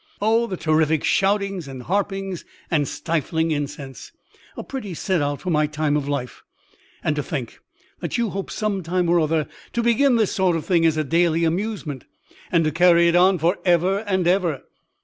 O, the terrific shoutings and harpings and stifling incense! A pretty set out for my time of life I And to think that you hope some time or other to begin this sort of thing as a daily amusement, and to carry it on for ever and ever!